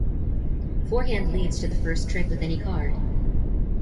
Forehand leads to the first trick with any card.